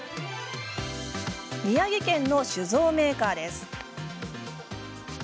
宮城県の酒造メーカーです。